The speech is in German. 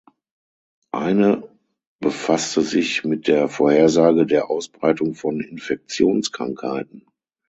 Eine befasste sich mit der Vorhersage der Ausbreitung von Infektionskrankheiten.